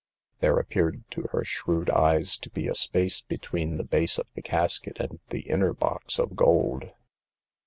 There appeared to her shrewd eyes to be a space be tween the base of the casket and the inner box of gold.